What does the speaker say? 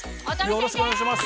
よろしくお願いします。